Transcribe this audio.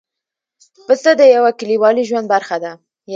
پسه د یوه کلیوالي ژوند برخه ده.